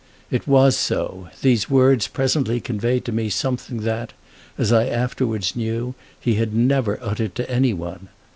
It was so these words presently conveyed to me something that, as I afterwards knew, he had never uttered to any one.